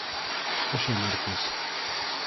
Hoxe é martes.